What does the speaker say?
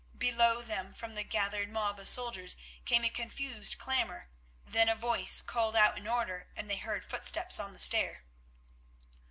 Below them from the gathered mob of soldiers came a confused clamour, then a voice called out an order and they heard footsteps on the stair.